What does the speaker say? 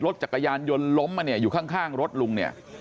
รถจักรยานยนต์ล้มอยู่ข้างรถลุง